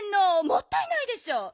もったいないでしょう。